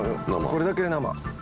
これだけ生。